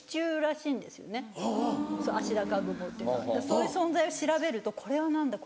そういう存在を調べるとこれは何だ？